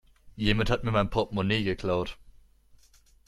Jemand hat mir mein Portmonee geklaut.